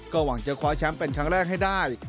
หวังจะคว้าแชมป์เป็นครั้งแรกให้ได้